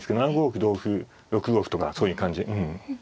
歩同歩６五歩とかそういう感じ。